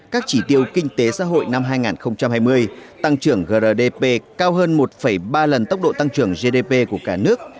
các chỉ tiêu kinh tế xã hội năm hai nghìn hai mươi tăng trưởng grdp cao hơn một ba lần tốc độ tăng trưởng gdp của cả nước